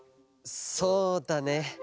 そうだね。